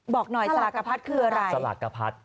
บอกหน่อยสลักกะพรรด์คืออะไร